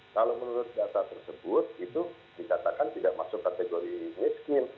kalau menurut data tersebut itu dikatakan tidak masuk kategori miskin